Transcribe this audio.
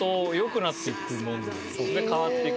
変わっていく。